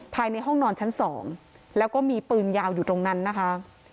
ภายในห้องนอนชั้น๒แล้วก็มีปืนยาวอยู่ตรงนั้นนะคะ